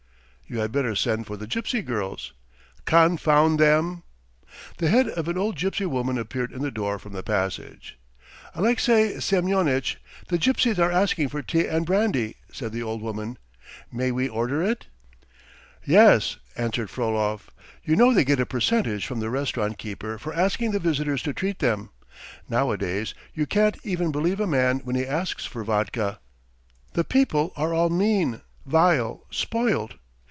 "You had better send for the gypsy girls." "Confound them!" The head of an old gypsy woman appeared in the door from the passage. "Alexey Semyonitch, the gypsies are asking for tea and brandy," said the old woman. "May we order it?" "Yes," answered Frolov. "You know they get a percentage from the restaurant keeper for asking the visitors to treat them. Nowadays you can't even believe a man when he asks for vodka. The people are all mean, vile, spoilt.